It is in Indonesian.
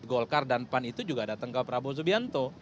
golkar dan pan itu juga datang ke prabowo subianto